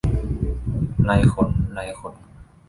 ไรขน ไรขน